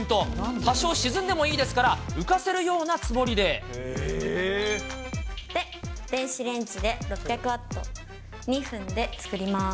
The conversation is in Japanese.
多少沈んでもいいですから、で、電子レンジで６００ワット、２分で作ります。